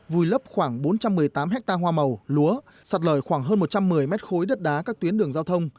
vùi lấp khoảng bốn trăm một mươi tám ha hoa màu lúa sạt lở khoảng hơn một trăm một mươi mét khối đất đá các tuyến đường giao thông